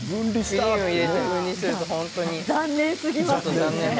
残念すぎますよね。